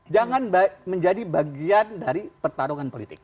jangan menjadi bagian dari pertarungan politik